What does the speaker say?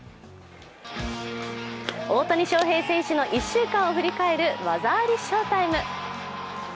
大谷翔平選手の１週間を振り返る「技ありＳＨＯ−ＴＩＭＥ」。